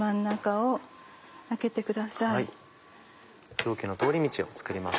はい蒸気の通り道を作ります。